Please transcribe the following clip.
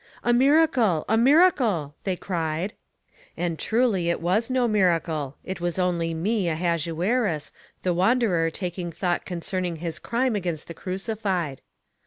A MIRACLE! A MIRACLE! they cried; and truly it was no miracle it was only me Ahasuerus, the wanderer taking thought concerning his crime against the crucified.